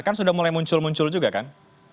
kan sudah mulai muncul muncul juga kan